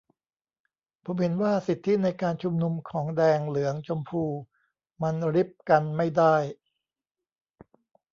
ผมเห็นว่าสิทธิในการชุมนุมของแดงเหลืองชมพูมันริบกันไม่ได้